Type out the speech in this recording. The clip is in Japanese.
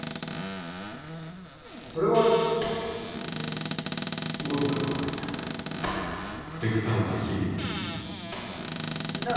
それは五徳が悪いな。なあ？